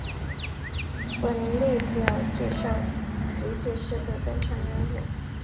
本列表介绍结界师的登场人物。